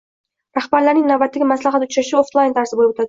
Rahbarlarining navbatdagi maslahat uchrashuvi oflayn tarzda boʻlib oʻtadi.